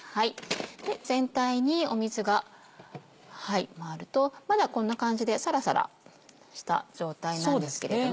で全体に水が回るとまだこんな感じでサラサラした状態なんですけれども。